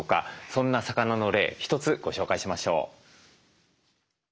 そんな魚の例一つご紹介しましょう。